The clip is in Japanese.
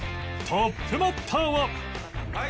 トップバッターは